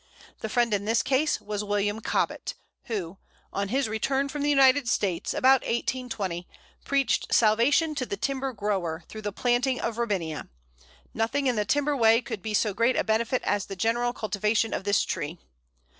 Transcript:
The friend in this case was William Cobbett, who, on his return from the United States, about 1820, preached salvation to the timber grower through the planting of Robinia; "nothing in the timber way could be so great a benefit as the general cultivation of this tree."